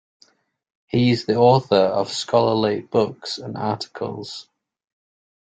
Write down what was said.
He is the author of scholarly books and articles.